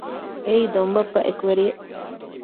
އެއީ ދޮންބައްޕަ އެކުވެރިއެއް